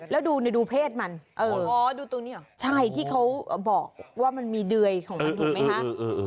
แล้วดูเนี้ยดูเพศมันเอออ๋อดูตัวเนี้ยเหรอใช่ที่เขาบอกว่ามันมีเดยของมันดูไหมฮะเออเออเออ